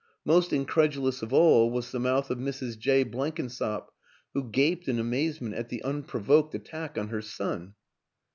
... Most incredulous of all was the mouth of Mrs. Jay Blenkinsop, who gaped in amazement at the unprovoked attack on her son.